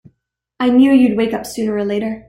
I knew you'd wake up sooner or later!